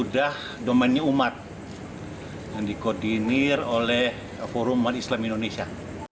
dan dikodinir oleh forum umat islam indonesia